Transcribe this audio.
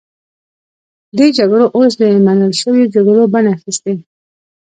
دې جګړو اوس د منل شویو جګړو بڼه اخیستې.